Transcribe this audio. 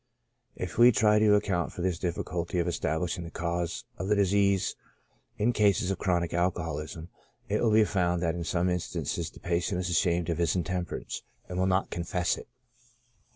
If we try to ac count for this difficulty of establishing the cause of the dis ease in cases of chronic alcoholism, it will be found that in some instances the patient is ashamed of his intemperance, and will not confess it.